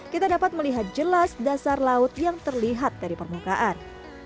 kita dapat melihat jelas dasar laut yang terlihat dari permukaan